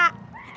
eh apa tadi